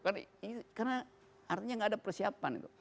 karena artinya gak ada persiapan itu